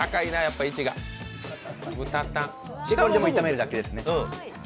あとは炒めるだけですね。